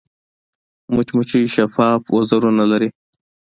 مچمچۍ شفاف وزرونه لري